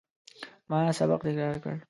ما سبق تکرار کړ.